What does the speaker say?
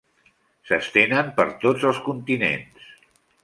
S'estenen per tots els continents.